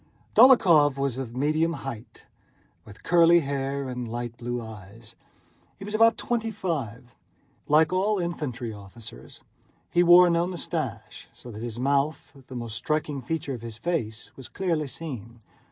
Dólokhov was of medium height, with curly hair and light blue eyes. He was about twenty five. Like all infantry officers he wore no mustache, so that his mouth, the most striking feature of his face, was clearly seen.